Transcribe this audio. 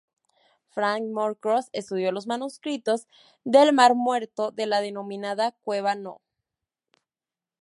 Frank Moore Cross estudió los manuscritos del Mar Muerto de la denominada Cueva No.